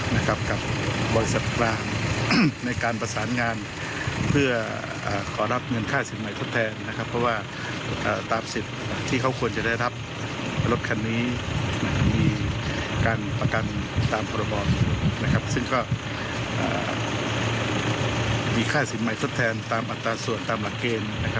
มีค่าสินใหม่ทดแทนตามอัตราส่วนตามหลักเกณฑ์